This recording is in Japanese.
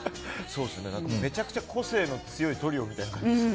めちゃめちゃ個性の強いトリオみたいになってる。